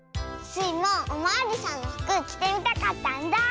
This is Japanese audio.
スイもおまわりさんのふくきてみたかったんだ。